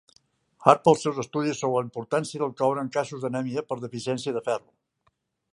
Hart pels seus estudis sobre la importància del coure en casos d'anèmia per deficiència de ferro.